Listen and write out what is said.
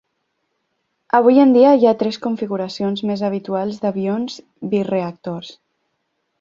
Avui en dia, hi ha tres configuracions més habituals d'avions bireactors.